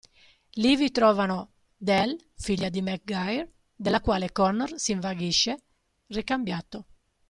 Lì vi trovano Dell, figlia di McGuire, della quale Connor si invaghisce, ricambiato.